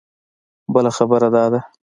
بله خبره دا ده.